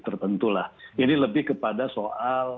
tertentu lah ini lebih kepada soal